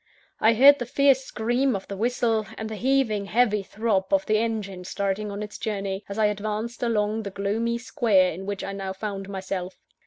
I heard the fierce scream of the whistle, and the heaving, heavy throb of the engine starting on its journey, as I advanced along the gloomy Square in which I now found myself.